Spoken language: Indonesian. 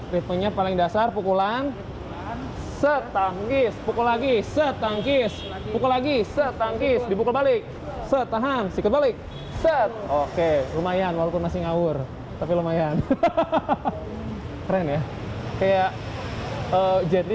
setan sikit balik set oke lumayan walaupun masih ngawur tapi lumayan keren ya kayak jadi